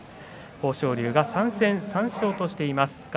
豊昇龍が３戦３勝としています。